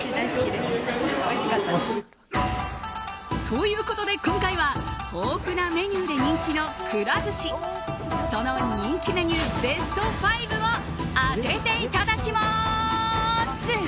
ということで、今回は豊富なメニューで人気のくら寿司その人気メニューベスト５を当てていただきます。